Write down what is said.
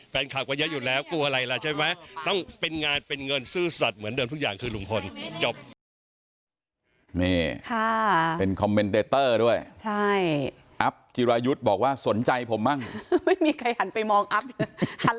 แฟนคาร์กว่าเยอะอยู่แล้วต้องเป็นงานเป็นเงินซื่อสัตว์เหมือนเดิมทุกอย่างคือลุงพล